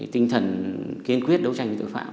tinh thần kiên quyết đấu tranh với tội phạm